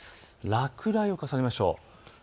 落雷を重ねましょう。